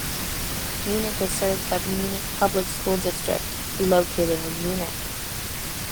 Munich is served by the Munich Public School District, located in Munich.